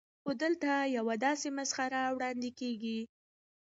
خو دلته یوه داسې مسخره وړاندې کېږي.